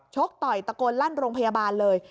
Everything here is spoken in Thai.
กต่อยตะโกนลั่นโรงพยาบาลเลย